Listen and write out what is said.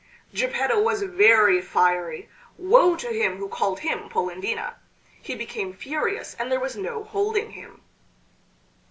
Geppetto was very fiery. Woe to him who called him Polendina! He became furious, and there was no holding him.